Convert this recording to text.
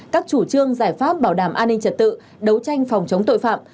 các chủ trương giải pháp bảo đảm an ninh trật tự đấu tranh phòng chống tội phạm